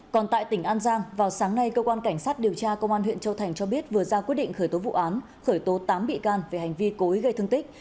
còn tại tỉnh an giang vào sáng nay cơ quan cảnh sát điều tra công an huyện châu thành cho biết vừa ra quyết định khởi tố vụ án khởi tố tám bị can về hành vi cố ý gây thương tích